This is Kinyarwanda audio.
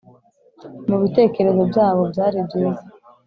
mu bitekerezo byabo byari byiza